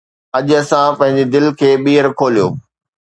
اڄ اسان پنهنجي دل کي ٻيهر کوليو